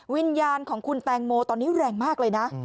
วิญญาณของคุณแตงโมตอนนี้แรงมากเลยนะ